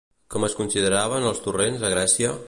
Com es consideraven els torrents a Grècia?